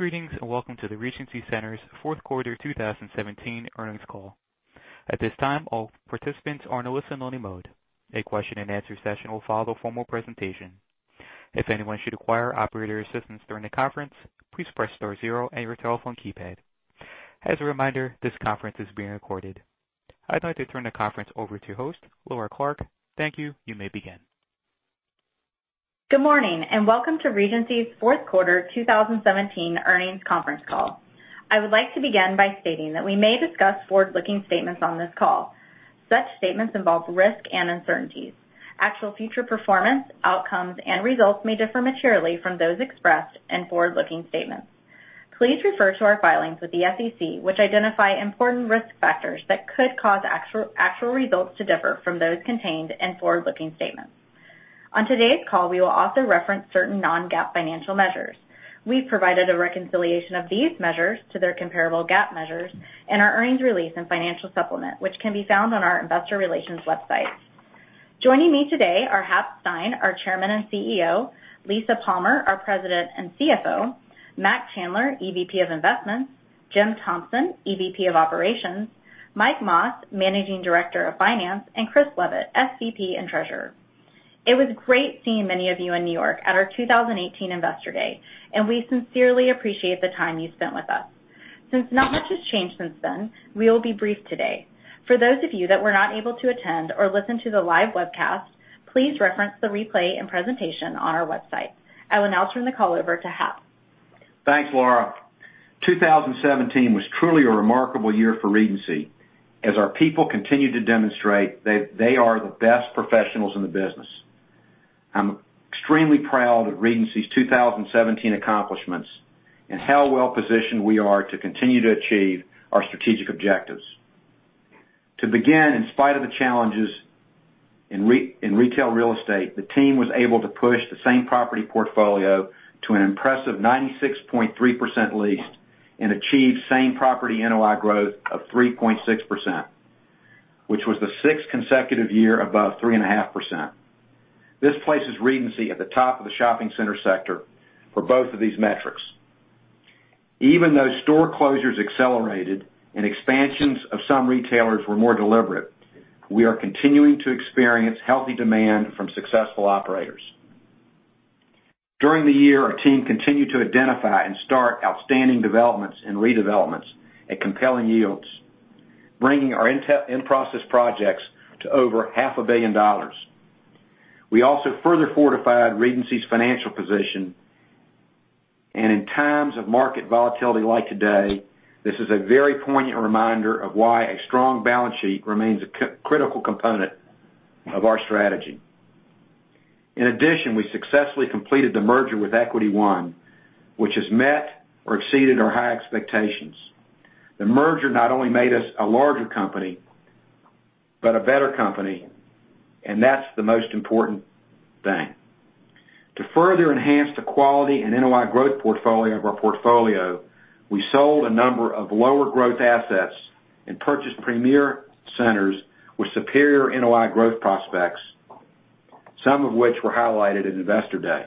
Greetings, welcome to the Regency Centers' fourth quarter 2017 earnings call. At this time, all participants are in listen-only mode. A question and answer session will follow the formal presentation. If anyone should require operator assistance during the conference, please press star zero on your telephone keypad. As a reminder, this conference is being recorded. I'd like to turn the conference over to your host, Laura Clark. Thank you. You may begin. Good morning, welcome to Regency's fourth quarter 2017 earnings conference call. I would like to begin by stating that we may discuss forward-looking statements on this call. Such statements involve risk and uncertainties. Actual future performance, outcomes, and results may differ materially from those expressed in forward-looking statements. Please refer to our filings with the SEC, which identify important risk factors that could cause actual results to differ from those contained in forward-looking statements. On today's call, we will also reference certain non-GAAP financial measures. We've provided a reconciliation of these measures to their comparable GAAP measures in our earnings release and financial supplement, which can be found on our investor relations website. Joining me today are Hap Stein, our Chairman and CEO; Lisa Palmer, our President and CFO; Mac Chandler, EVP of Investments; Jim Thompson, EVP of Operations; Mike Mas, Managing Director of Finance; and Chris Leavitt, SVP and Treasurer. It was great seeing many of you in New York at our 2018 Investor Day. We sincerely appreciate the time you spent with us. Since not much has changed since then, we will be brief today. For those of you that were not able to attend or listen to the live webcast, please reference the replay and presentation on our website. I will now turn the call over to Hap. Thanks, Laura. 2017 was truly a remarkable year for Regency as our people continued to demonstrate that they are the best professionals in the business. I'm extremely proud of Regency's 2017 accomplishments and how well-positioned we are to continue to achieve our strategic objectives. To begin, in spite of the challenges in retail real estate, the team was able to push the same property portfolio to an impressive 96.3% leased and achieve same property NOI growth of 3.6%, which was the sixth consecutive year above 3.5%. This places Regency at the top of the shopping center sector for both of these metrics. Even though store closures accelerated and expansions of some retailers were more deliberate, we are continuing to experience healthy demand from successful operators. During the year, our team continued to identify and start outstanding developments and redevelopments at compelling yields, bringing our in-process projects to over half a billion dollars. We also further fortified Regency's financial position. In times of market volatility like today, this is a very poignant reminder of why a strong balance sheet remains a critical component of our strategy. In addition, we successfully completed the merger with Equity One, which has met or exceeded our high expectations. The merger not only made us a larger company, but a better company, and that's the most important thing. To further enhance the quality and NOI growth portfolio of our portfolio, we sold a number of lower growth assets and purchased premier centers with superior NOI growth prospects, some of which were highlighted at Investor Day.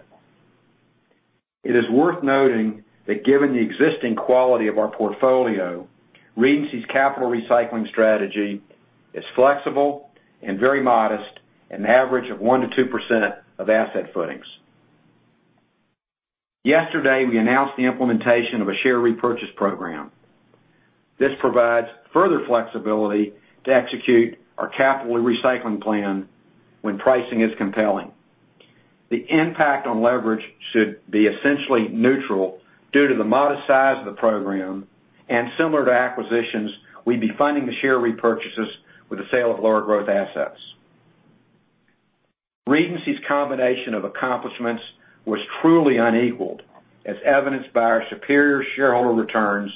It is worth noting that given the existing quality of our portfolio, Regency's capital recycling strategy is flexible and very modest, an average of 1%-2% of asset footings. Yesterday, we announced the implementation of a share repurchase program. This provides further flexibility to execute our capital recycling plan when pricing is compelling. The impact on leverage should be essentially neutral due to the modest size of the program, and similar to acquisitions, we'd be funding the share repurchases with the sale of lower growth assets. Regency's combination of accomplishments was truly unequaled, as evidenced by our superior shareholder returns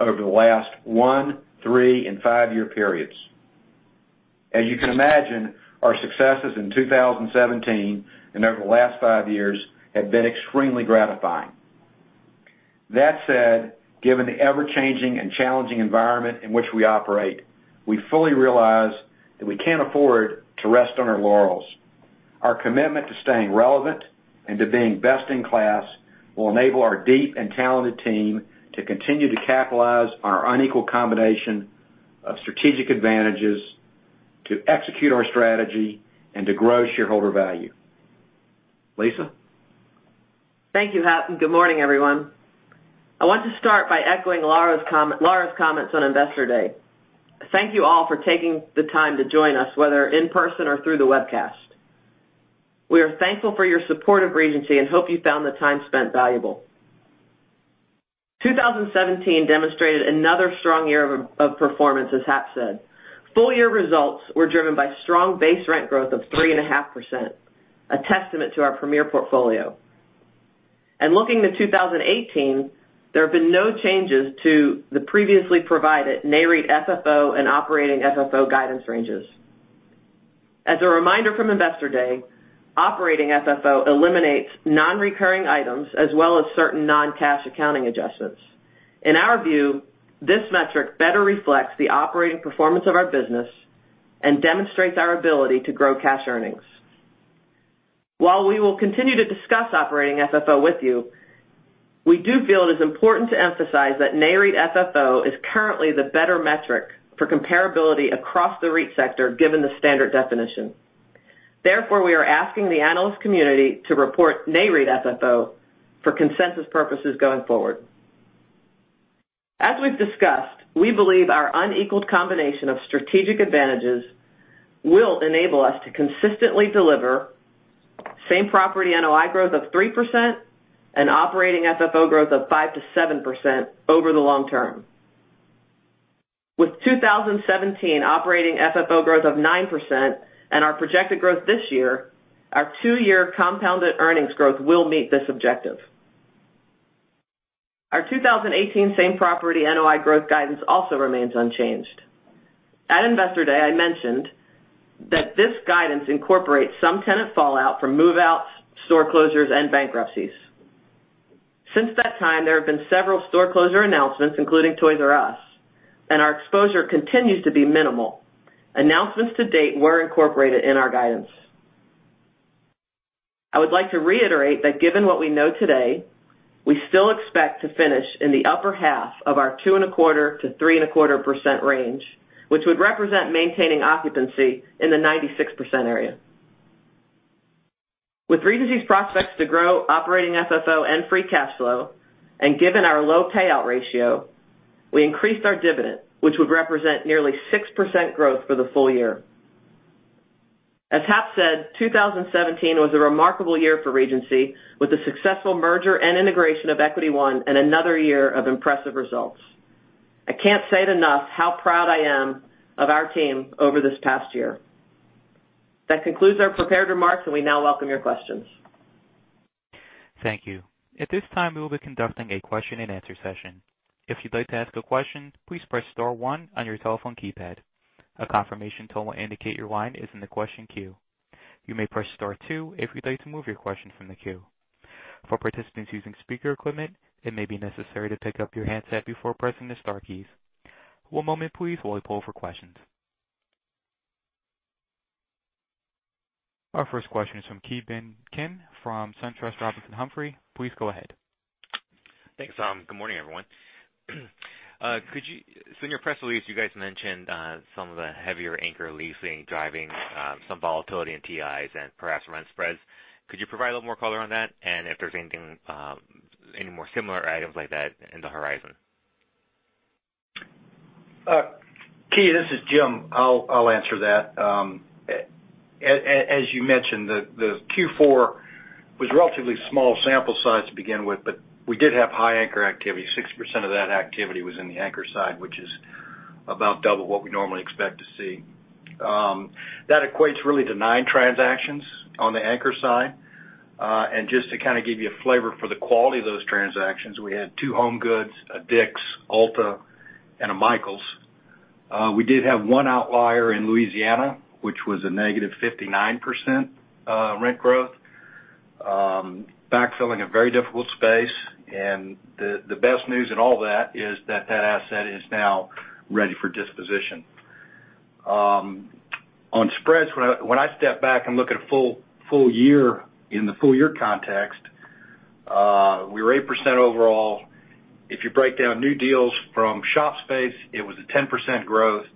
over the last one, three, and five-year periods. As you can imagine, our successes in 2017 and over the last five years have been extremely gratifying. That said, given the ever-changing and challenging environment in which we operate, we fully realize that we can't afford to rest on our laurels. Our commitment to staying relevant and to being best in class will enable our deep and talented team to continue to capitalize on our unequal combination of strategic advantages to execute our strategy and to grow shareholder value. Lisa? Thank you, Hap, and good morning, everyone. I want to start by echoing Laura's comments on Investor Day. Thank you all for taking the time to join us, whether in person or through the webcast. We are thankful for your support of Regency and hope you found the time spent valuable. 2017 demonstrated another strong year of performance, as Hap said. Full year results were driven by strong base rent growth of 3.5%, a testament to our premier portfolio. Looking to 2018, there have been no changes to the previously provided NAREIT FFO and operating FFO guidance ranges. As a reminder from Investor Day, operating FFO eliminates non-recurring items as well as certain non-cash accounting adjustments. In our view, this metric better reflects the operating performance of our business and demonstrates our ability to grow cash earnings. While we will continue to discuss operating FFO with you, we do feel it is important to emphasize that NAREIT FFO is currently the better metric for comparability across the REIT sector given the standard definition. We are asking the analyst community to report NAREIT FFO for consensus purposes going forward. As we've discussed, we believe our unequaled combination of strategic advantages will enable us to consistently deliver same-property NOI growth of 3% and operating FFO growth of 5%-7% over the long term. With 2017 operating FFO growth of 9% and our projected growth this year, our two-year compounded earnings growth will meet this objective. Our 2018 same-property NOI growth guidance also remains unchanged. At Investor Day, I mentioned that this guidance incorporates some tenant fallout from move-outs, store closures, and bankruptcies. Since that time, there have been several store closure announcements, including Toys "R" Us, our exposure continues to be minimal. Announcements to date were incorporated in our guidance. I would like to reiterate that given what we know today, we still expect to finish in the upper half of our 2.25%-3.25% range, which would represent maintaining occupancy in the 96% area. With Regency's prospects to grow operating FFO and free cash flow, given our low payout ratio, we increased our dividend, which would represent nearly 6% growth for the full year. As Hap said, 2017 was a remarkable year for Regency, with the successful merger and integration of Equity One and another year of impressive results. I can't say it enough how proud I am of our team over this past year. That concludes our prepared remarks, we now welcome your questions. Thank you. At this time, we will be conducting a question-and-answer session. If you'd like to ask a question, please press star one on your telephone keypad. A confirmation tone will indicate your line is in the question queue. You may press star two if you'd like to move your question from the queue. For participants using speaker equipment, it may be necessary to pick up your handset before pressing the star keys. One moment please while we poll for questions. Our first question is from Ki Bin Kim from SunTrust Robinson Humphrey. Please go ahead. Thanks. Good morning, everyone. In your press release, you guys mentioned some of the heavier anchor leasing driving some volatility in TIs and perhaps rent spreads. Could you provide a little more color on that and if there's any more similar items like that in the horizon? Ki, this is Jim. I'll answer that. As you mentioned, the Q4 was a relatively small sample size to begin with, we did have high anchor activity. 60% of that activity was in the anchor side, which is about double what we normally expect to see. That equates really to nine transactions on the anchor side. Just to kind of give you a flavor for the quality of those transactions, we had two HomeGoods, a Dick's, Ulta, and a Michaels. We did have one outlier in Louisiana, which was a negative 59% rent growth, backfilling a very difficult space. The best news in all that is that that asset is now ready for disposition. On spreads, when I step back and look at it in the full year context, we were 8% overall. If you break down new deals from shop space, it was a 10% growth,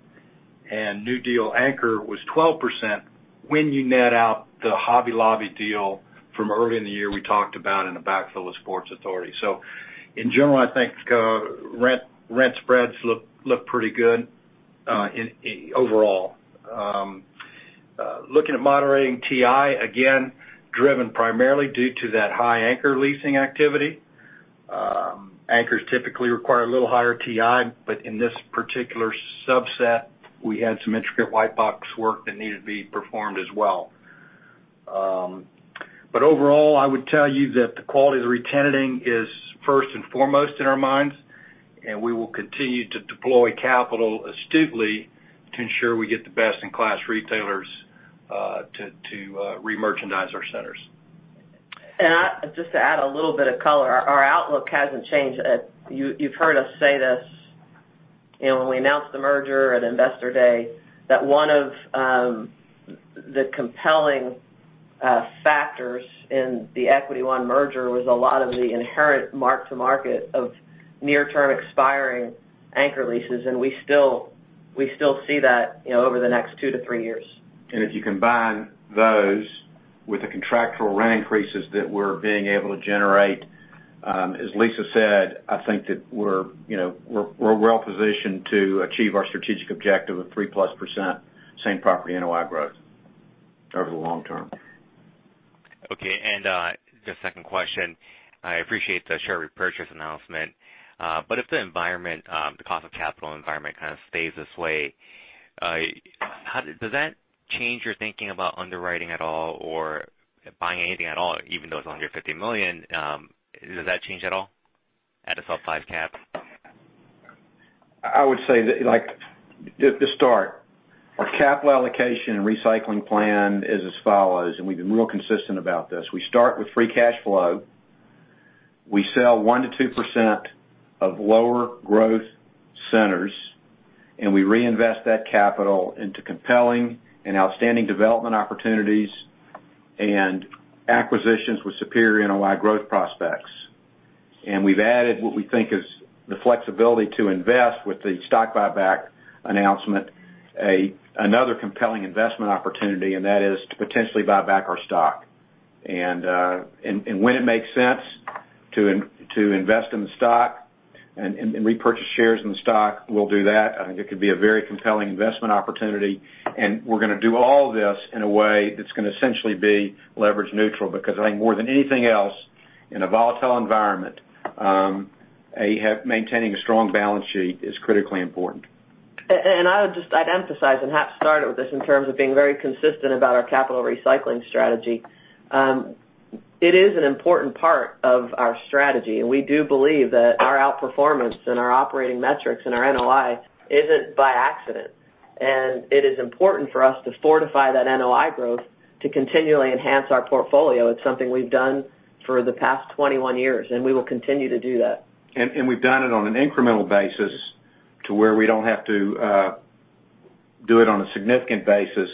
and new deal anchor was 12% when you net out the Hobby Lobby deal from early in the year we talked about and the backfill of Sports Authority. In general, I think rent spreads look pretty good overall. Looking at moderating TI, again, driven primarily due to that high anchor leasing activity. Anchors typically require a little higher TI, but in this particular subset, we had some intricate white box work that needed to be performed as well. Overall, I would tell you that the quality of the re-tenanting is first and foremost in our minds, and we will continue to deploy capital astutely to ensure we get the best-in-class retailers to remerchandise our centers. Just to add a little bit of color, our outlook hasn't changed. You've heard us say this, when we announced the merger at Investor Day, that one of the compelling factors in the Equity One merger was a lot of the inherent mark-to-market of near-term expiring anchor leases, and we still see that over the next two to three years. If you combine those with the contractual rent increases that we're being able to generate, as Lisa said, I think that we're well positioned to achieve our strategic objective of three plus percent same-property NOI growth over the long term. Okay, just second question. I appreciate the share repurchase announcement. If the cost of capital environment kind of stays this way, does that change your thinking about underwriting at all or buying anything at all, even though it's only $150 million? Does that change at all at a sub five cap? I would say that, to start, our capital allocation and recycling plan is as follows. We've been real consistent about this. We start with free cash flow. We sell 1%-2% of lower growth centers, and we reinvest that capital into compelling and outstanding development opportunities and acquisitions with superior NOI growth prospects. We've added what we think is the flexibility to invest with the stock buyback announcement, another compelling investment opportunity. That is to potentially buy back our stock. When it makes sense to invest in the stock and repurchase shares in the stock, we'll do that. I think it could be a very compelling investment opportunity, and we're going to do all this in a way that's going to essentially be leverage neutral, because I think more than anything else, in a volatile environment, maintaining a strong balance sheet is critically important. I'd emphasize, Hap started with this, in terms of being very consistent about our capital recycling strategy. It is an important part of our strategy, and we do believe that our outperformance and our operating metrics and our NOI isn't by accident. It is important for us to fortify that NOI growth to continually enhance our portfolio. It's something we've done for the past 21 years, and we will continue to do that. We've done it on an incremental basis to where we don't have to do it on a significant basis.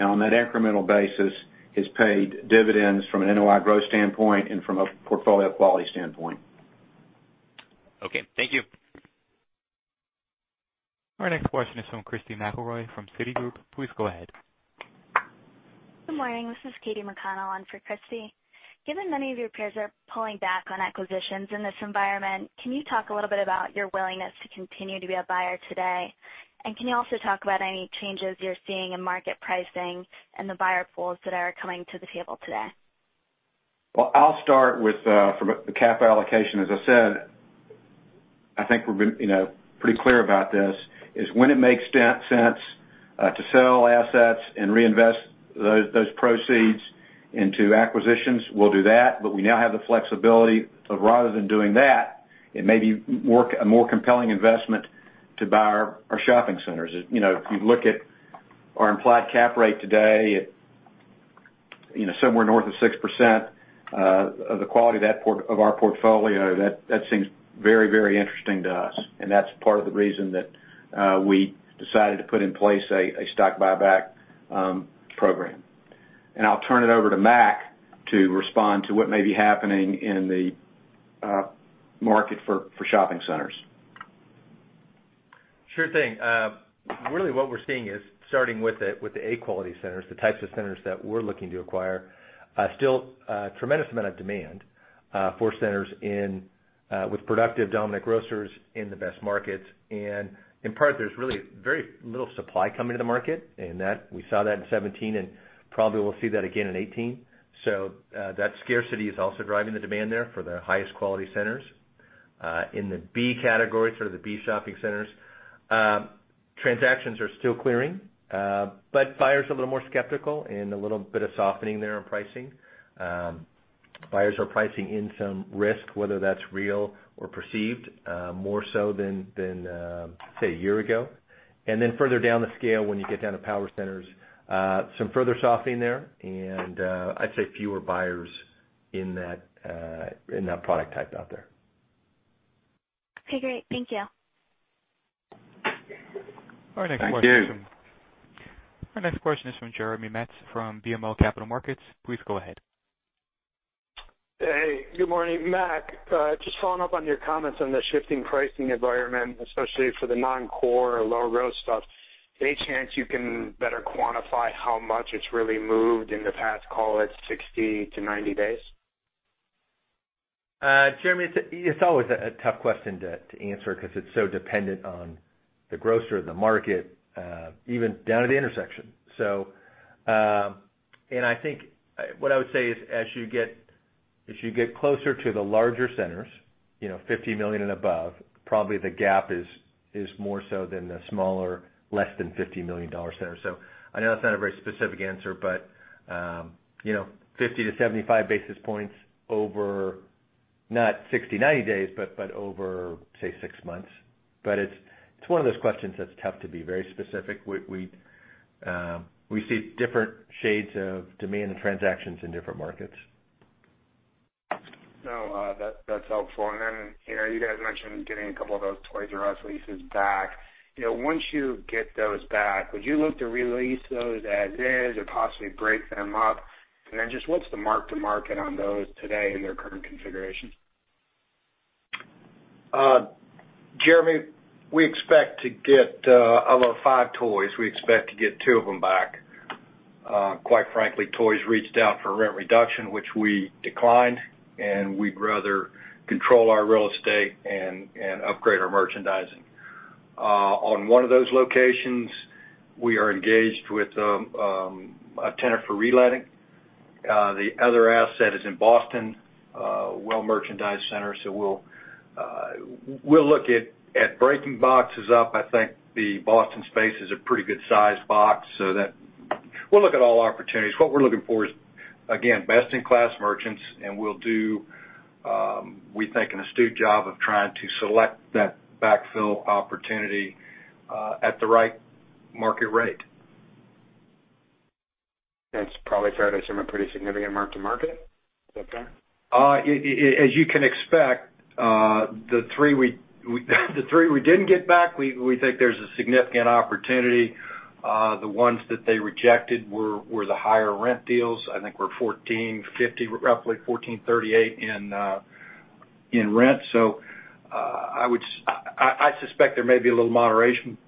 On that incremental basis, has paid dividends from an NOI growth standpoint and from a portfolio quality standpoint. Okay. Thank you. Our next question is from Christy McElroy from Citigroup. Please go ahead. Good morning. This is Katie McConnell on for Christy. Given many of your peers are pulling back on acquisitions in this environment, can you talk a little bit about your willingness to continue to be a buyer today? Can you also talk about any changes you're seeing in market pricing and the buyer pools that are coming to the table today? Well, I'll start with, from a cap allocation, as I said, I think we're pretty clear about this, is when it makes sense to sell assets and reinvest those proceeds into acquisitions, we'll do that. We now have the flexibility of, rather than doing that, it may be a more compelling investment to buy our shopping centers. If you look at our implied cap rate today, somewhere north of 6%, of the quality of our portfolio, that seems very interesting to us, and that's part of the reason that we decided to put in place a stock buyback program. I'll turn it over to Mac to respond to what may be happening in the market for shopping centers. Sure thing. Really what we're seeing is, starting with the A quality centers, the types of centers that we're looking to acquire, still a tremendous amount of demand for centers in with productive dominant grocers in the best markets. In part, there's really very little supply coming to the market, and we saw that in 2017 and probably will see that again in 2018. That scarcity is also driving the demand there for the highest quality centers. In the B category, sort of the B shopping centers, transactions are still clearing, but buyers are a little more skeptical and a little bit of softening there on pricing. Buyers are pricing in some risk, whether that's real or perceived, more so than, say, a year ago. Further down the scale, when you get down to power centers, some further softening there, and I'd say fewer buyers in that product type out there. Okay, great. Thank you. Thank you. Our next question is from Jeremy Metz from BMO Capital Markets. Please go ahead. Hey, good morning. Mac, just following up on your comments on the shifting pricing environment, especially for the non-core or low growth stuff. Any chance you can better quantify how much it's really moved in the past, call it 60-90 days? Jeremy, it's always a tough question to answer because it's so dependent on the grocer, the market, even down to the intersection. What I would say is, as you get closer to the larger centers, $50 million and above, probably the gap is more so than the smaller, less than $50 million centers. I know that's not a very specific answer, 50-75 basis points over not 60-90 days, but over, say, six months. It's one of those questions that's tough to be very specific. We see different shades of demand and transactions in different markets. No, that's helpful. You guys mentioned getting a couple of those Toys "R" Us leases back. Once you get those back, would you look to re-lease those as is or possibly break them up? And then just what's the mark to market on those today in their current configurations? Jeremy, we expect to get out of 5 Toys. We expect to get two of them back. Quite frankly, Toys reached out for a rent reduction, which we declined, and we'd rather control our real estate and upgrade our merchandising. On one of those locations, we are engaged with a tenant for reletting. The other asset is in Boston, well-merchandised center, so we'll look at breaking boxes up. I think the Boston space is a pretty good sized box, so that we'll look at all opportunities. What we're looking for is, again, best in class merchants, and we'll do, we think, an astute job of trying to select that backfill opportunity at the right market rate. That's probably fair to assume a pretty significant mark-to-market. Is that fair? As you can expect, the three we didn't get back, we think there's a significant opportunity. The ones that they rejected were the higher rent deals, I think were $1,450, roughly $1,438 in rent. I suspect there may be a little moderation,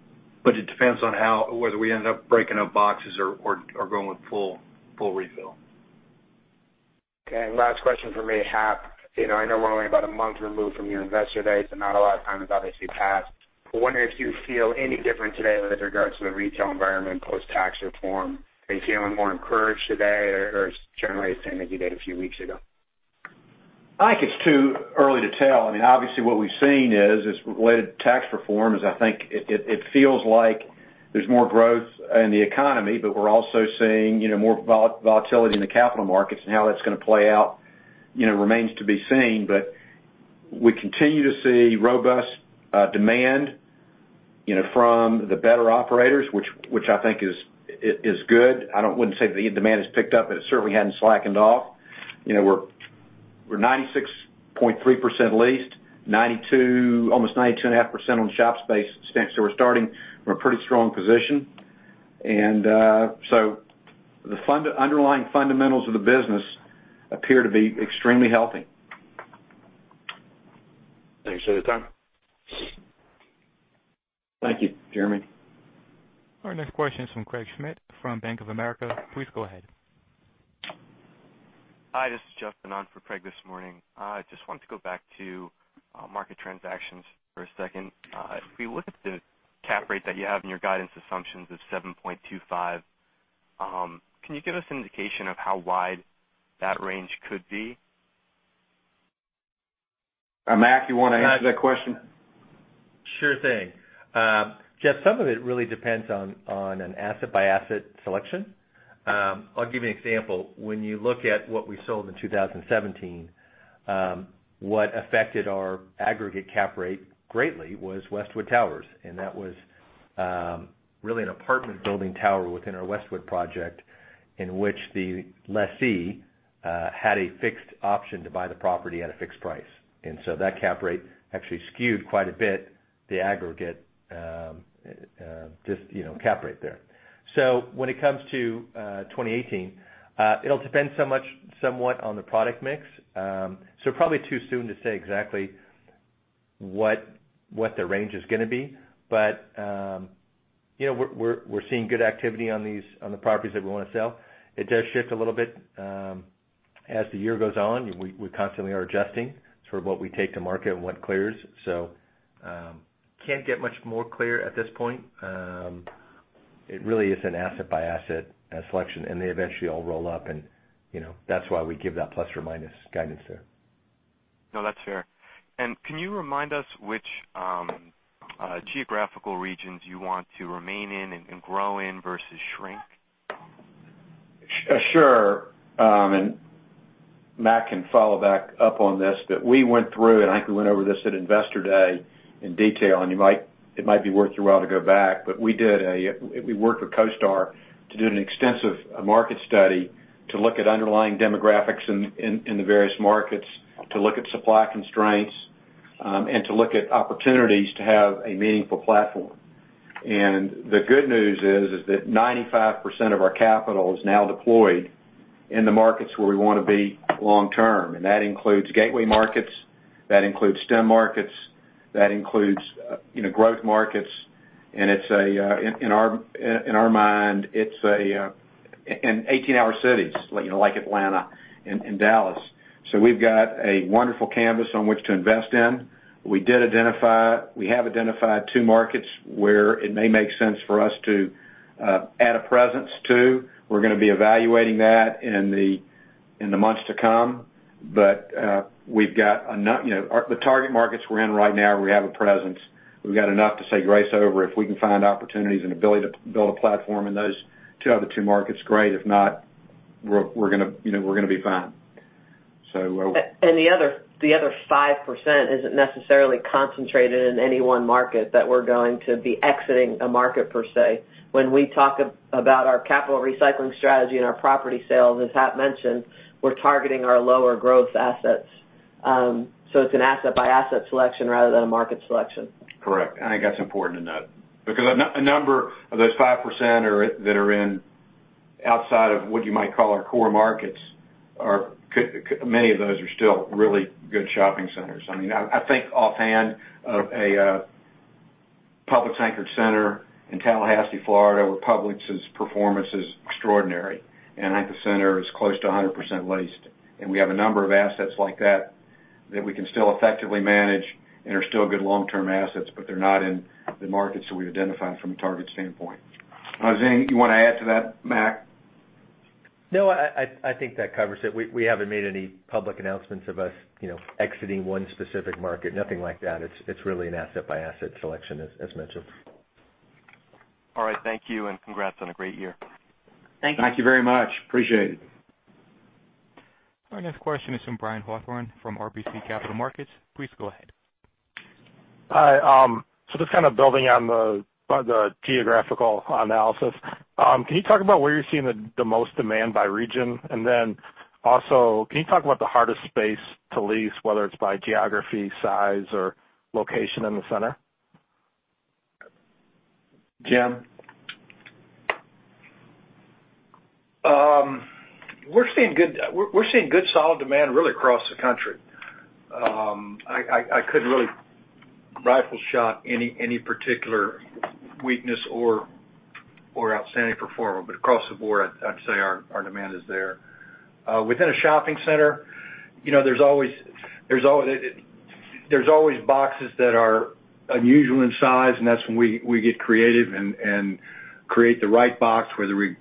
but it depends on whether we end up breaking up boxes or going with full refill. Okay. Last question from me, Hap. I know we're only about a month removed from your Investor Day, not a lot of time has obviously passed, wondering if you feel any different today with regards to the retail environment, post-tax reform. Are you feeling more encouraged today or generally the same as you did a few weeks ago? I think it's too early to tell. What we've seen is, related to tax reform, is I think it feels like there's more growth in the economy, but we're also seeing more volatility in the capital markets, and how that's going to play out remains to be seen. We continue to see robust demand from the better operators, which I think is good. I wouldn't say the demand has picked up, but it certainly hadn't slackened off. We're 96.3% leased, almost 92.5% on shop space. We're starting from a pretty strong position. The underlying fundamentals of the business appear to be extremely healthy. Thanks for your time. Thank you. Jeremy. Our next question is from Craig Schmidt from Bank of America. Please go ahead. Hi, this is Justin on for Craig this morning. Wanted to go back to market transactions for a second. If we look at the cap rate that you have in your guidance assumptions of 7.25, can you give us an indication of how wide that range could be? Mac, you want to answer that question? Sure thing. Justin, some of it really depends on an asset-by-asset selection. I'll give you an example. When you look at what we sold in 2017, what affected our aggregate cap rate greatly was Westwood Tower, and that was really an apartment building tower within our Westwood project, in which the lessee had a fixed option to buy the property at a fixed price. That cap rate actually skewed quite a bit the aggregate cap rate there. When it comes to 2018, it'll depend somewhat on the product mix. Probably too soon to say exactly what the range is going to be. We're seeing good activity on the properties that we want to sell. It does shift a little bit as the year goes on. We constantly are adjusting sort of what we take to market and what clears. Can't get much more clear at this point. It really is an asset-by-asset selection, and they eventually all roll up, and that's why we give that plus or minus guidance there. No, that's fair. Can you remind us which geographical regions you want to remain in and grow in versus shrink? Sure. Mac can follow back up on this, we went through, I think we went over this at Investor Day in detail, it might be worth your while to go back. We worked with CoStar to do an extensive market study to look at underlying demographics in the various markets, to look at supply constraints, to look at opportunities to have a meaningful platform. The good news is that 95% of our capital is now deployed in the markets where we want to be long term. That includes gateway markets, that includes STEM markets, that includes growth markets, in our mind, it's in 18-hour cities, like Atlanta and Dallas. We've got a wonderful canvas on which to invest in. We have identified two markets where it may make sense for us to add a presence, too. We're going to be evaluating that in the months to come. The target markets we're in right now, we have a presence. We've got enough to say grace over. If we can find opportunities and ability to build a platform in those two other two markets, great. If not, we're going to be fine. The other 5% isn't necessarily concentrated in any one market that we're going to be exiting a market, per se. When we talk about our capital recycling strategy and our property sales, as Hap mentioned, we're targeting our lower growth assets. It's an asset-by-asset selection rather than a market selection. Correct. I think that's important to note, because a number of those 5% that are in outside of what you might call our core markets, many of those are still really good shopping centers. I think offhand of a Publix-anchored center in Tallahassee, Florida, where Publix's performance is extraordinary, and I think the center is close to 100% leased. We have a number of assets like that that we can still effectively manage and are still good long-term assets, but they're not in the markets that we identified from a target standpoint. Anything you want to add to that, Mac? No, I think that covers it. We haven't made any public announcements of us exiting one specific market. Nothing like that. It's really an asset-by-asset selection, as mentioned. All right. Thank you, and congrats on a great year. Thank you. Thank you very much. Appreciate it. Our next question is from Brian Hawthorne from RBC Capital Markets. Please go ahead. Hi. Just kind of building on the geographical analysis. Can you talk about where you're seeing the most demand by region? Then also, can you talk about the hardest space to lease, whether it's by geography, size, or location in the center? Jim? We're seeing good, solid demand really across the country. I couldn't really rifle shot any particular weakness or outstanding performer, across the board, I'd say our demand is there. Within a shopping center, there's always boxes that are unusual in size, and that's when we get creative and create the right box, whether we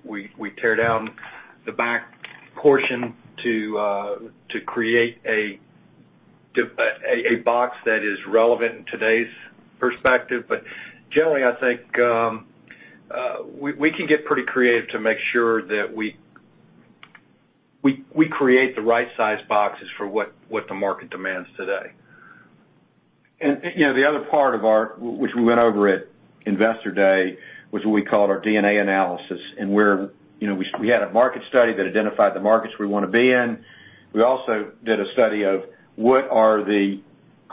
tear down the back portion to create a box that is relevant in today's perspective. Generally, I think, we can get pretty creative to make sure that we create the right size boxes for what the market demands today. The other part of our, which we went over at Investor Day, was what we called our DNA analysis. We had a market study that identified the markets we want to be in. We also did a study of where are the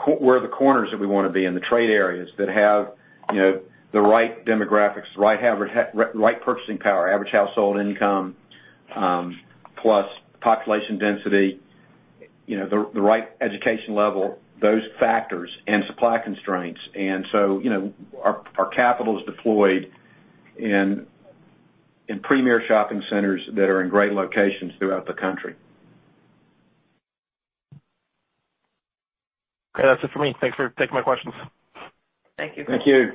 corners that we want to be in, the trade areas that have the right demographics, the right purchasing power, average household income, plus population density, the right education level, those factors, and supply constraints. Our capital is deployed in premier shopping centers that are in great locations throughout the country. Okay, that's it for me. Thanks for taking my questions. Thank you. Thank you.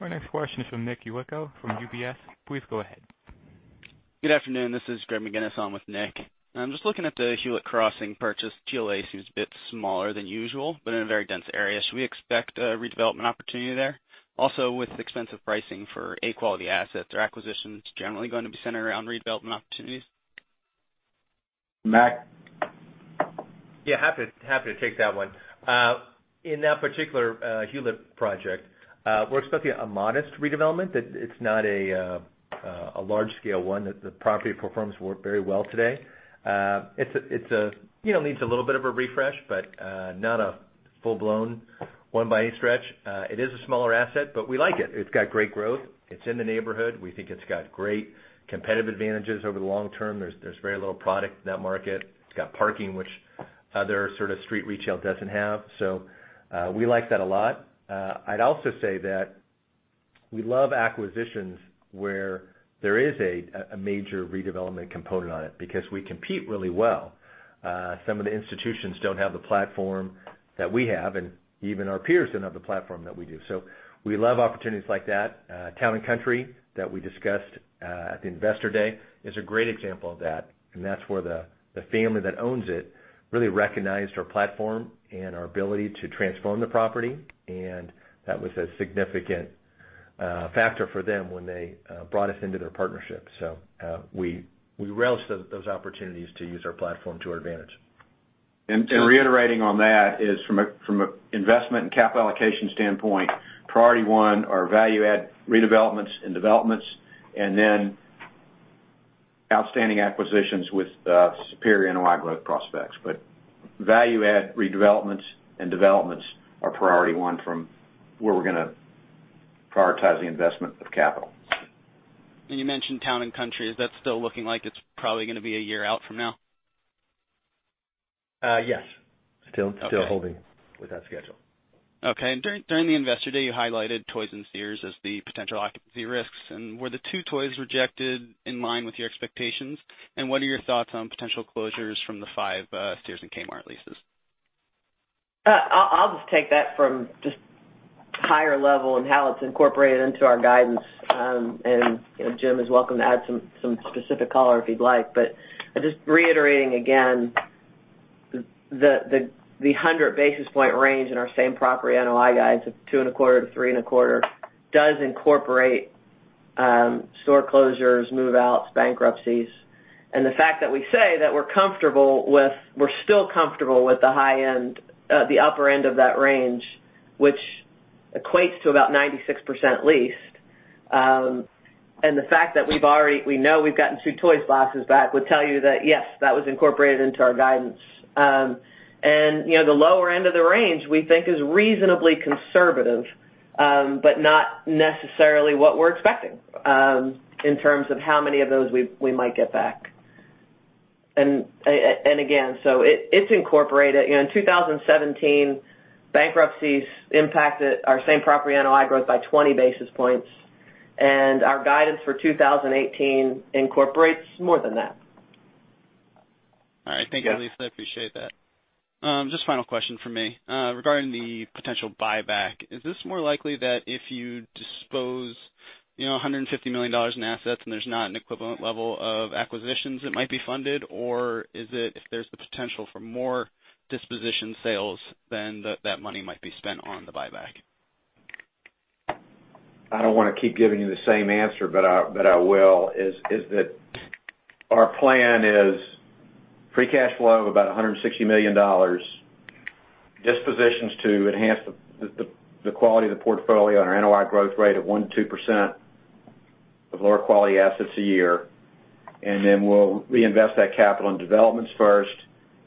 Our next question is from Nick Yulico from UBS. Please go ahead. Good afternoon. This is Greg McGinniss on with Nick. I'm just looking at the Hewlett Crossing purchase. GLA seems a bit smaller than usual, but in a very dense area. Should we expect a redevelopment opportunity there? With expensive pricing for A quality assets, are acquisitions generally going to be centered around redevelopment opportunities? Mac? Yeah, happy to take that one. In that particular Hewlett project, we're expecting a modest redevelopment. It's not a large-scale one. The property performs very well today. It needs a little bit of a refresh, but not a full-blown one by a stretch. It is a smaller asset, but we like it. It's got great growth. It's in the neighborhood. We think it's got great competitive advantages over the long term. There's very little product in that market. It's got parking, which other sort of street retail doesn't have. We like that a lot. I'd also say that we love acquisitions where there is a major redevelopment component on it because we compete really well. Some of the institutions don't have the platform that we have, and even our peers don't have the platform that we do. We love opportunities like that. Town and Country, that we discussed at the Investor Day, is a great example of that, and that's where the family that owns it really recognized our platform and our ability to transform the property, and that was a significant factor for them when they brought us into their partnership. We relish those opportunities to use our platform to our advantage. Reiterating on that is from an investment and capital allocation standpoint, priority one are value add redevelopments and developments, then outstanding acquisitions with superior NOI growth prospects. Value add redevelopments and developments are priority one from where we're going to prioritize the investment of capital. You mentioned Town and Country. Is that still looking like it's probably going to be a year out from now? Yes. Still holding with that schedule. Okay. During the Investor Day, you highlighted Toys and Sears as the potential occupancy risks, were the two Toys rejected in line with your expectations? What are your thoughts on potential closures from the five Sears and Kmart leases? I'll just take that from just higher level and how it's incorporated into our guidance. Jim is welcome to add some specific color if he'd like. Just reiterating again, the 100 basis points range in our same property NOI guides of two and a quarter to three and a quarter does incorporate store closures, move-outs, bankruptcies. The fact that we say that we're still comfortable with the upper end of that range, which equates to about 96% leased. The fact that we know we've gotten two Toys Us boxes back would tell you that, yes, that was incorporated into our guidance. The lower end of the range we think is reasonably conservative, but not necessarily what we're expecting, in terms of how many of those we might get back. Again, it's incorporated. In 2017, bankruptcies impacted our same property NOI growth by 20 basis points, our guidance for 2018 incorporates more than that. All right. Thank you, Lisa. I appreciate that. Just final question from me. Regarding the potential buyback, is this more likely that if you dispose $150 million in assets and there's not an equivalent level of acquisitions that might be funded, or is it if there's the potential for more disposition sales, then that money might be spent on the buyback? I don't want to keep giving you the same answer, but I will, is that our plan is free cash flow of about $160 million, dispositions to enhance the quality of the portfolio and our NOI growth rate of 1%-2% of lower quality assets a year. We'll reinvest that capital in developments first,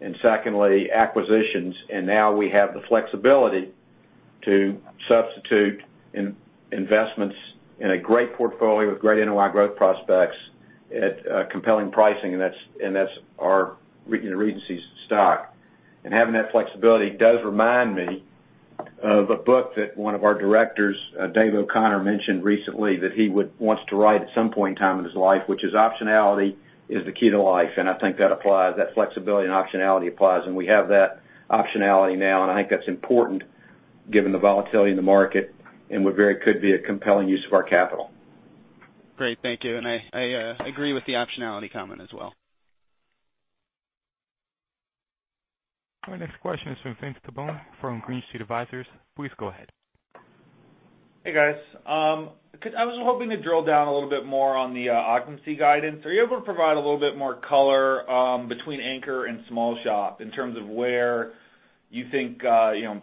and secondly, acquisitions. Now we have the flexibility to substitute investments in a great portfolio with great NOI growth prospects at compelling pricing. That's our Regency's stock. Having that flexibility does remind me of a book that one of our directors, Dave O'Connor, mentioned recently that he wants to write at some point in time in his life, which is, "Optionality is the key to life." I think that applies, that flexibility and optionality applies, and we have that optionality now, and I think that's important given the volatility in the market, and what very could be a compelling use of our capital. Great. Thank you. I agree with the optionality comment as well. Our next question is from Vince Tibone from Green Street Advisors. Please go ahead. Hey, guys. I was hoping to drill down a little bit more on the occupancy guidance. Are you able to provide a little bit more color between anchor and small shop in terms of where you think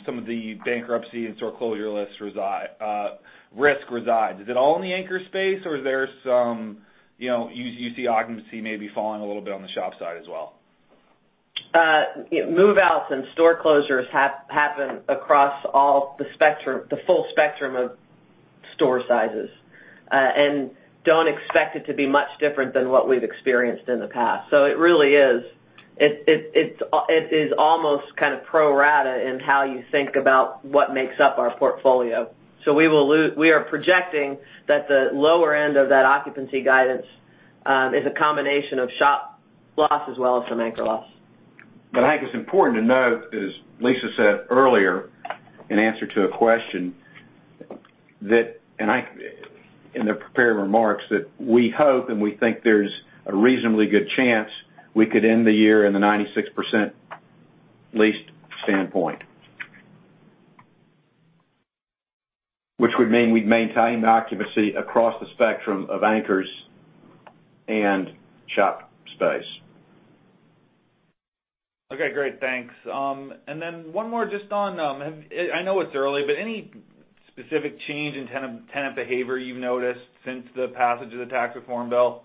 some of the bankruptcy and store closure risk resides? Is it all in the anchor space, or is there some, you see occupancy maybe falling a little bit on the shop side as well? Move-outs and store closures happen across all the full spectrum of store sizes. Don't expect it to be much different than what we've experienced in the past. It really is almost kind of pro rata in how you think about what makes up our portfolio. We are projecting that the lower end of that occupancy guidance is a combination of shop loss as well as some anchor loss. I think it's important to note, as Lisa said earlier in answer to a question, that, in the prepared remarks, that we hope, and we think there's a reasonably good chance we could end the year in the 96% leased standpoint. Which would mean we'd maintain the occupancy across the spectrum of anchors and shop space. Okay, great. Thanks. One more, I know it's early, but any specific change in tenant behavior you've noticed since the passage of the tax reform bill?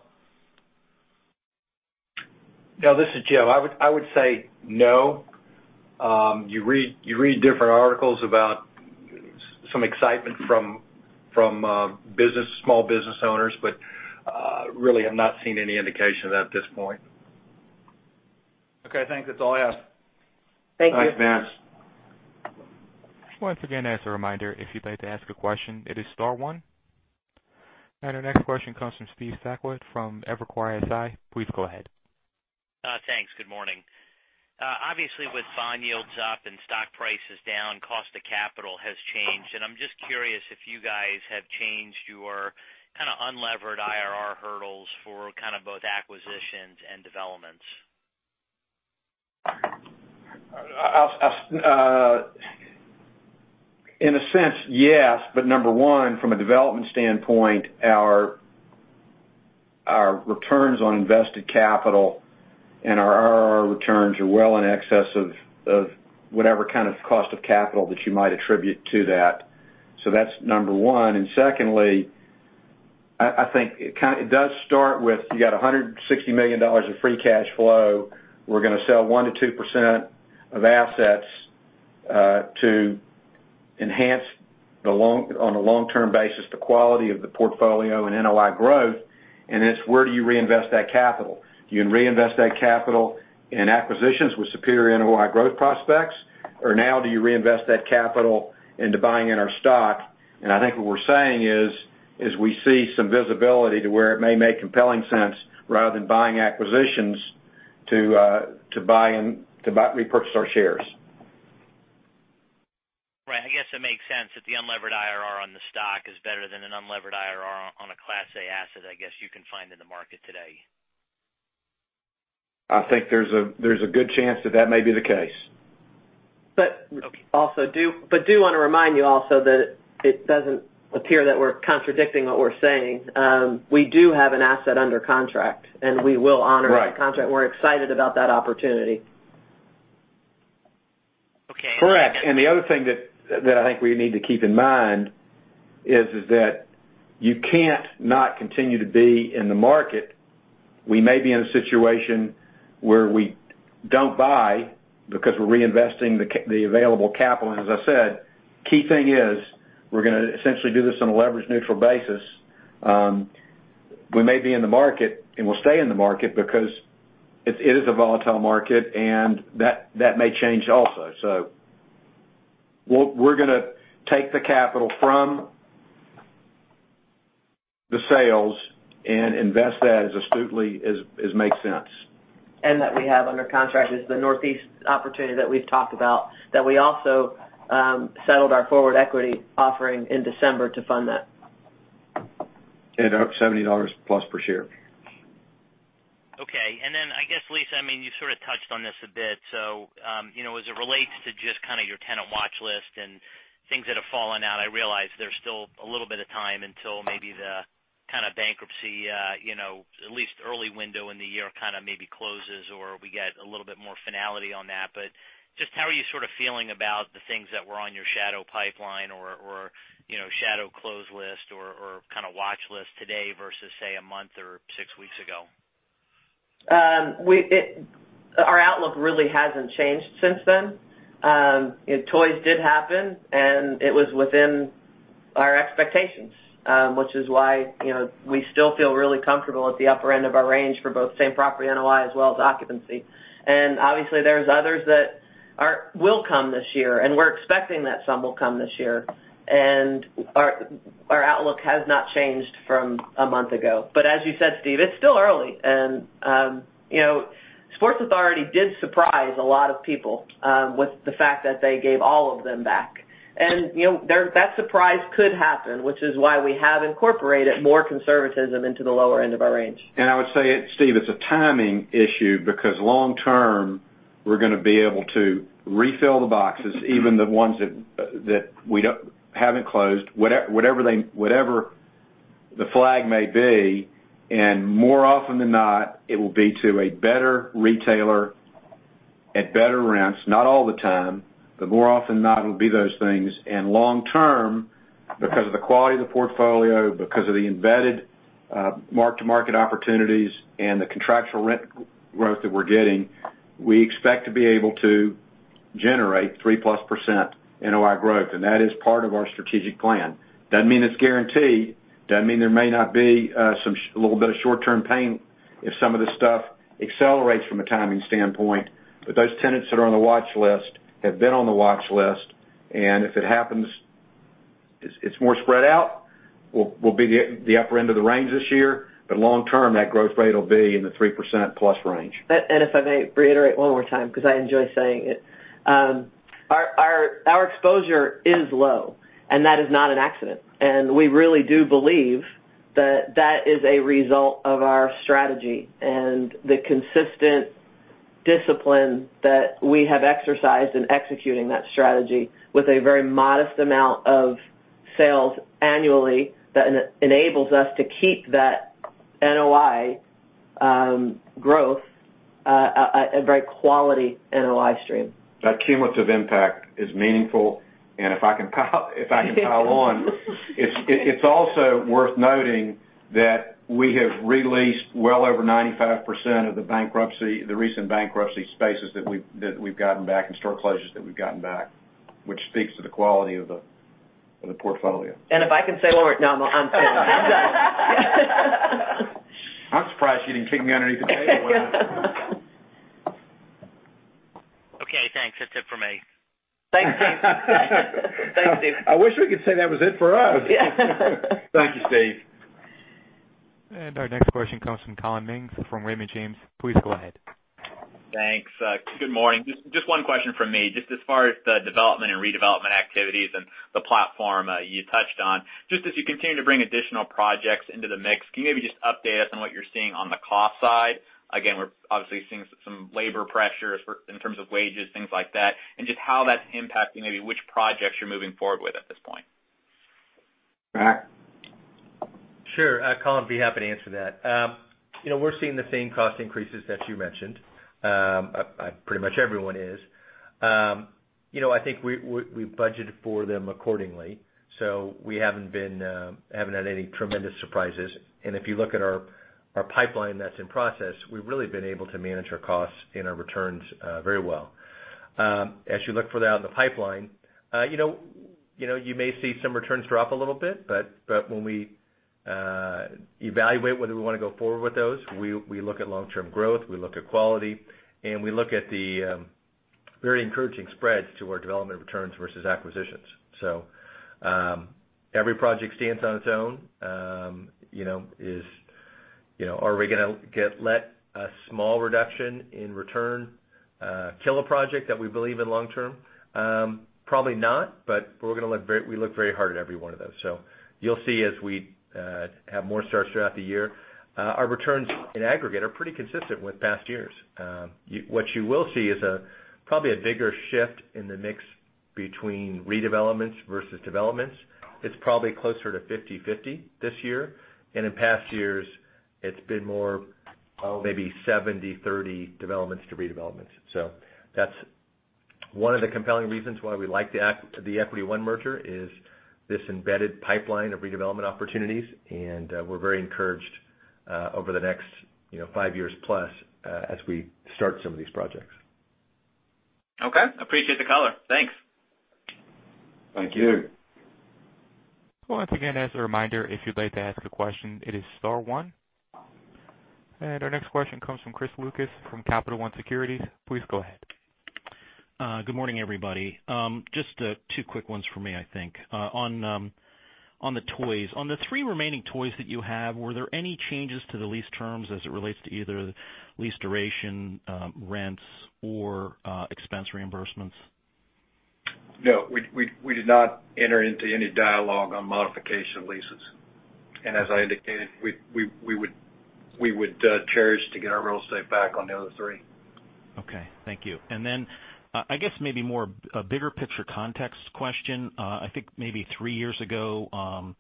No, this is Jim. I would say no. You read different articles about some excitement from small business owners, really have not seen any indication of that at this point. Okay, thanks. That's all I ask. Thank you. Thanks, Vince. Once again, as a reminder, if you'd like to ask a question, it is star one. Our next question comes from Steve Sakwa from Evercore ISI. Please go ahead. Thanks. Good morning. Obviously, with bond yields up and stock prices down, cost of capital has changed. I'm just curious if you guys have changed your kind of unlevered IRR hurdles for both acquisitions and developments. In a sense, yes. Number one, from a development standpoint, our returns on invested capital and our IRR returns are well in excess of whatever kind of cost of capital that you might attribute to that. That's number one. Secondly, I think it does start with, you got $160 million of free cash flow. We're going to sell 1%-2% of assets, to enhance, on a long-term basis, the quality of the portfolio and NOI growth. It's where do you reinvest that capital? Do you reinvest that capital in acquisitions with superior NOI growth prospects? Now do you reinvest that capital into buying in our stock? I think what we're saying is, we see some visibility to where it may make compelling sense, rather than buying acquisitions, to repurchase our shares. Right. I guess it makes sense that the unlevered IRR on the stock is better than an unlevered IRR on a class A asset, I guess, you can find in the market today. I think there's a good chance that that may be the case. Do want to remind you also that it doesn't appear that we're contradicting what we're saying. We do have an asset under contract, and we will honor that contract. Right. We're excited about that opportunity. Okay. Correct. The other thing that I think we need to keep in mind is that you can't not continue to be in the market. We may be in a situation where we don't buy because we're reinvesting the available capital. As I said, key thing is we're going to essentially do this on a leverage-neutral basis. We may be in the market, and we'll stay in the market because it is a volatile market, and that may change also. We're going to take the capital from the sales and invest that as astutely as makes sense. That we have under contract is the Northeast opportunity that we've talked about, that we also settled our forward equity offering in December to fund that. At our $70 plus per share. touched on this a bit. As it relates to just your tenant watch list and things that have fallen out, I realize there's still a little bit of time until maybe the bankruptcy, at least early window in the year maybe closes, or we get a little bit more finality on that. Just how are you sort of feeling about the things that were on your shadow pipeline or shadow close list or kind of watch list today versus, say, a month or six weeks ago? Our outlook really hasn't changed since then. Toys Us did happen, it was within our expectations, which is why we still feel really comfortable at the upper end of our range for both same-property NOI as well as occupancy. Obviously there's others that will come this year, and we're expecting that some will come this year. Our outlook has not changed from a month ago. As you said, Steve, it's still early. Sports Authority did surprise a lot of people with the fact that they gave all of them back. That surprise could happen, which is why we have incorporated more conservatism into the lower end of our range. I would say, Steve, it's a timing issue because long-term, we're going to be able to refill the boxes, even the ones that haven't closed. Whatever the flag may be, more often than not, it will be to a better retailer at better rents. Not all the time, more often than not, it'll be those things. Long-term, because of the quality of the portfolio, because of the embedded mark-to-market opportunities and the contractual rent growth that we're getting, we expect to be able to generate 3-plus % NOI growth, that is part of our strategic plan. Doesn't mean it's guaranteed, doesn't mean there may not be a little bit of short-term pain if some of this stuff accelerates from a timing standpoint. Those tenants that are on the watch list have been on the watch list, if it happens, it's more spread out. We'll be at the upper end of the range this year, but long-term, that growth rate will be in the 3%-plus range. If I may reiterate one more time, because I enjoy saying it. Our exposure is low, and that is not an accident. We really do believe that that is a result of our strategy and the consistent discipline that we have exercised in executing that strategy with a very modest amount of sales annually that enables us to keep that NOI growth a very quality NOI stream. That cumulative impact is meaningful. If I can pile on, it's also worth noting that we have re-leased well over 95% of the recent bankruptcy spaces that we've gotten back and store closures that we've gotten back, which speaks to the quality of the portfolio. No, I'm done. I'm surprised you didn't kick me underneath the table then. Okay, thanks. That's it for me. Thanks, Steve. Thanks, Steve. I wish we could say that was it for us. Yeah. Thank you, Steve. Our next question comes from Collin Mings from Raymond James. Please go ahead. Thanks. Good morning. Just one question from me. Just as far as the development and redevelopment activities and the platform you touched on. Just as you continue to bring additional projects into the mix, can you maybe just update us on what you're seeing on the cost side? Again, we're obviously seeing some labor pressures in terms of wages, things like that, and just how that's impacting maybe which projects you're moving forward with at this point. Mac? Sure. Collin, be happy to answer that. We're seeing the same cost increases that you mentioned. Pretty much everyone is. I think we budget for them accordingly. We haven't had any tremendous surprises. If you look at our pipeline that's in process, we've really been able to manage our costs and our returns very well. As you look for that in the pipeline, you may see some returns drop a little bit, but when we evaluate whether we want to go forward with those, we look at long-term growth, we look at quality, and we look at the very encouraging spreads to our development returns versus acquisitions. Every project stands on its own. Are we going to let a small reduction in return kill a project that we believe in long-term? Probably not, but we look very hard at every one of those. You'll see as we have more starts throughout the year, our returns in aggregate are pretty consistent with past years. What you will see is probably a bigger shift in the mix between redevelopments versus developments. It's probably closer to 50/50 this year, and in past years, it's been more maybe 70/30 developments to redevelopments. That's one of the compelling reasons why we like the Equity One merger is this embedded pipeline of redevelopment opportunities, and we're very encouraged over the next 5 years+ as we start some of these projects. Okay. Appreciate the color. Thanks. Thank you. Once again, as a reminder, if you'd like to ask a question, it is star one. Our next question comes from Chris Lucas from Capital One Securities. Please go ahead. Good morning, everybody. Just two quick ones from me, I think. On the Toys. On the three remaining Toys that you have, were there any changes to the lease terms as it relates to either lease duration, rents, or expense reimbursements? No, we did not enter into any dialogue on modification of leases. As I indicated, we would cherish to get our real estate back on the other three. Okay, thank you. Then, I guess maybe more a bigger picture context question. I think maybe three years ago, on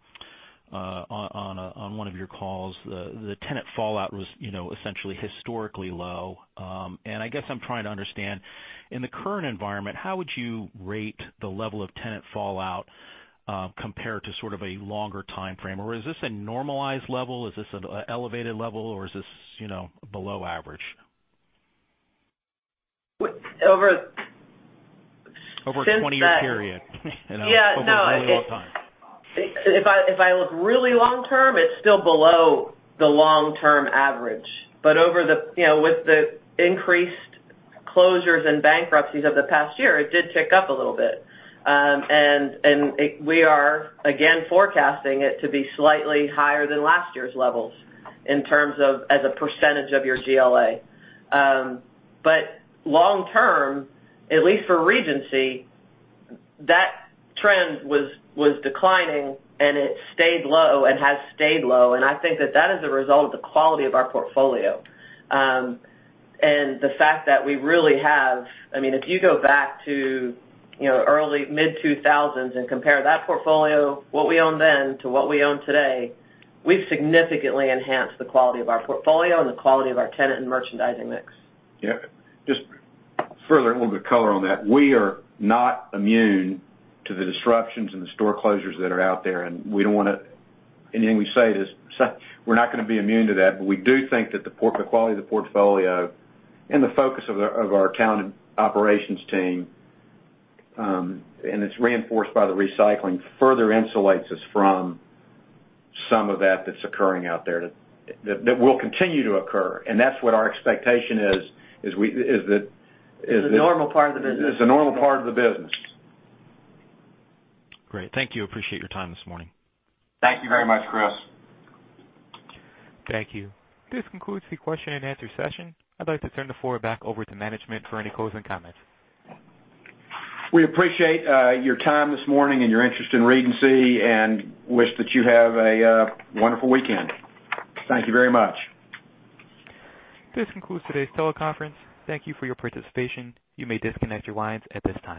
one of your calls, the tenant fallout was essentially historically low. I guess I'm trying to understand, in the current environment, how would you rate the level of tenant fallout, compared to sort of a longer timeframe? Or is this a normalized level? Is this an elevated level, or is this below average? Over- Over a 20-year period. Yeah, no. Over a really long time. If I look really long-term, it's still below the long-term average. With the increased closures and bankruptcies of the past year, it did tick up a little bit. We are, again, forecasting it to be slightly higher than last year's levels in terms of as a percentage of your GLA. Long term, at least for Regency, that trend was declining, and it stayed low and has stayed low, and I think that that is a result of the quality of our portfolio. The fact that we really have If you go back to early mid-2000s and compare that portfolio, what we owned then to what we own today, we've significantly enhanced the quality of our portfolio and the quality of our tenant and merchandising mix. Yeah. Just further, a little bit color on that. We are not immune to the disruptions and the store closures that are out there, and anything we say, we're not going to be immune to that. We do think that the quality of the portfolio and the focus of our talent operations team, and it's reinforced by the recycling, further insulates us from some of that that's occurring out there, that will continue to occur. That's what our expectation is that. It's a normal part of the business It's a normal part of the business. Great. Thank you. Appreciate your time this morning. Thank you very much, Chris. Thank you. This concludes the question and answer session. I'd like to turn the floor back over to management for any closing comments. We appreciate your time this morning and your interest in Regency, and wish that you have a wonderful weekend. Thank you very much. This concludes today's teleconference. Thank you for your participation. You may disconnect your lines at this time.